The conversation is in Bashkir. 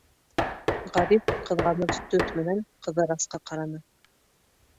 Ғариф ҡыҙғаныс төҫ менән Ҡыҙырасҡа ҡараны: